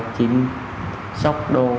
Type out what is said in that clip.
chín sóc đồ